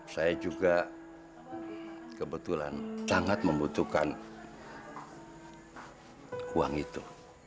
saya juga kebetulan sangat membutuhkan uang itu